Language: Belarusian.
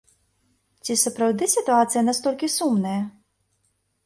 Ці сапраўды сітуацыя настолькі сумная?